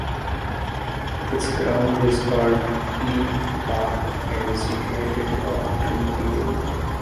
Its ground is called Glebe Park and is situated off Trinity Road.